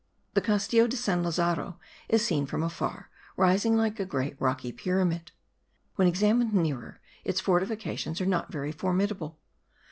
The Castillo de San Lazaro is seen from afar rising like a great rocky pyramid; when examined nearer its fortifications are not very formidable.